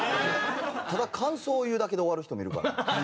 ただ感想を言うだけで終わる人もいるから。